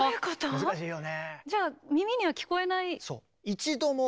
難しいよね。